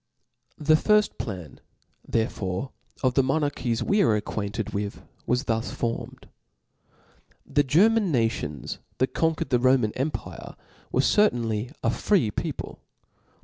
The firft plan therefore of the monarchies we are acquainted with, was thus formed. The Ger man nations that conquered the Roman empire^ were certainly a free people.